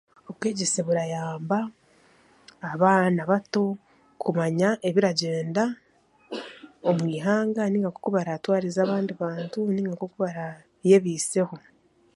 Obwegyese burayamba abaana bato kumanya ebiragyenda omu ihanga nainga nkoku baraatwarize abandi bantu nainga nkoku baraayebeiseho